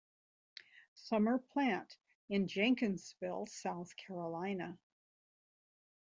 Summer plant in Jenkinsville, South Carolina.